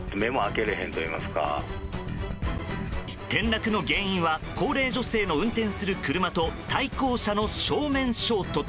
転落の原因は高齢女性の運転する車と対向車の正面衝突。